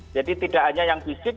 jadi tidak hanya yang fisik